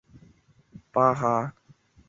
殿试登进士第二甲第二十名。